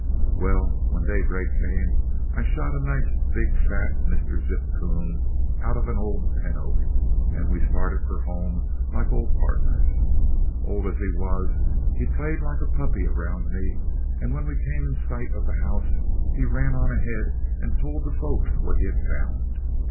"Well, when daybreak came, I shot a nice big fat Mr. Zip Coon out of an old pin oak, and we started for home like old pardners. Old as he was, he played like a puppy around me, and when we came in sight of the house, he ran on ahead and told the folks what he had found.